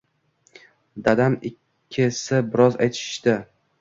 Dadam ikkisi biroz aytishishdi